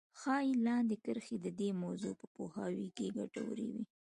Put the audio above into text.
ښايي لاندې کرښې د دې موضوع په پوهاوي کې ګټورې وي.